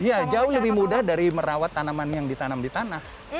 iya jauh lebih mudah dari merawat tanaman yang ditanam di tanah